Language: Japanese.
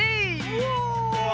うわ！